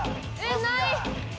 ない！